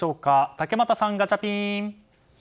竹俣さん、ガチャピン！